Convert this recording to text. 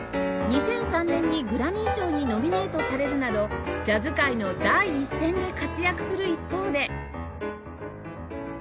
２００３年にグラミー賞にノミネートされるなどジャズ界の第一線で活躍する一方で